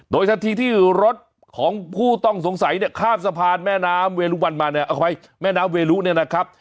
โดยทันทีที่รถของผู้ต้องสงสัยเนี่ยข้ามสะพานแม่น้ำเวลุวันมาเนี่ยเอาไว้แม่น้ำเวลุเนี่ยนะครับ